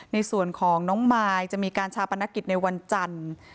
ในส่วนของน้องมายจะมีการชาปนกิจในวันจันทร์